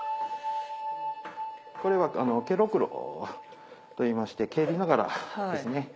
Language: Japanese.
これは。といいまして蹴りながらですね。